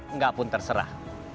enggak pun terserah